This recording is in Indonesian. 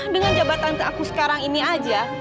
dengan jabatan aku sekarang ini aja